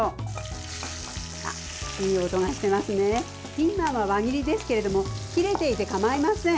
ピーマンは輪切りですけれども切れていて構いません。